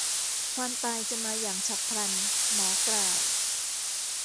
ความตายจะมาอย่างฉับพลัน หมอกล่าว